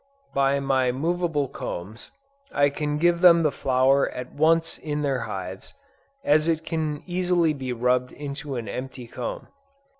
By my movable combs, I can give them the flour at once in their hives, as it can easily be rubbed into an empty comb.